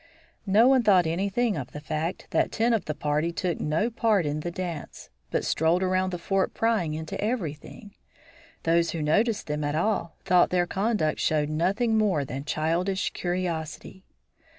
No one thought anything of the fact that ten of the party took no part in the dance, but strolled around the fort prying into everything. Those who noticed them at all, thought their conduct showed nothing more than childish curiosity.